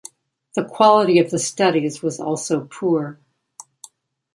The quality of the studies was also poor.